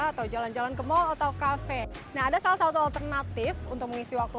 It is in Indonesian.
atau jalan jalan ke mal atau kafe nah ada salah satu alternatif untuk mengisi waktu